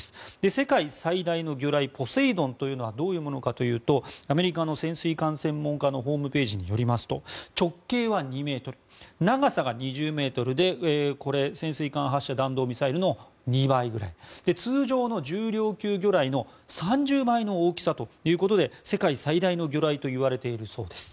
世界最大の魚雷ポセイドンがどういうものかというとアメリカの潜水艦専門家のホームページによりますと直径は２ｍ長さが２０ｍでこれは潜水艦発射弾道ミサイルの２倍くらい通常の重量級魚雷の３０倍の大きさということで世界最大の魚雷といわれているそうです。